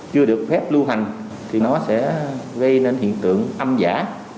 chưa được phép lưu hành thì nó sẽ gây nên hiện tượng âm giả